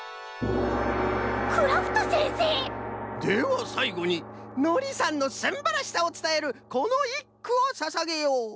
クラフトせんせい！ではさいごにのりさんのすんばらしさをつたえるこのいっくをささげよう。